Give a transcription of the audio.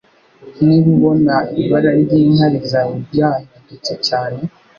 Niba ubona ibara ry'inkari zawe ryahindutse cyane